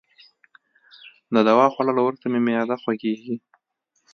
د دوا خوړولو وروسته مي معده خوږیږي.